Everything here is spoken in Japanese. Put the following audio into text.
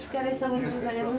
よろしくお願いします。